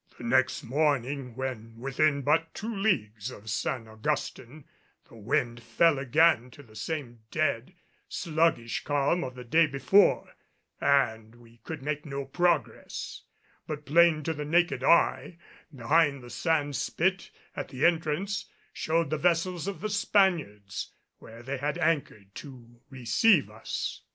The next morning when within but two leagues of San Augustin the wind fell again to the same dead, sluggish calm of the day before, and we could make no progress; but plain to the naked eye behind the sand spit at the entrance showed the vessels of the Spaniards, where they had anchored to receive us.